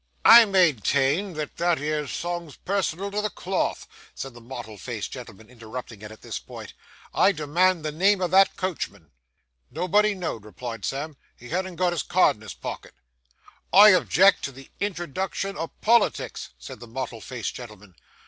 'I maintain that that 'ere song's personal to the cloth,' said the mottled faced gentleman, interrupting it at this point. 'I demand the name o' that coachman.' 'Nobody know'd,' replied Sam. 'He hadn't got his card in his pocket.' 'I object to the introduction o' politics,' said the mottled faced gentleman.